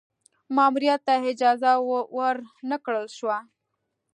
ماموریت ته اجازه ور نه کړل شوه.